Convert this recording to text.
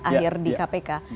akhir di kpk